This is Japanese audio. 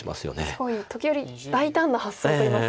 すごい時折大胆な発想といいますか。